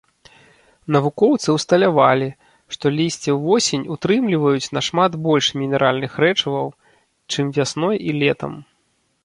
Навукоўцы ўсталявалі, што лісце ўвосень утрымліваюць нашмат больш мінеральных рэчываў, чым вясной і летам.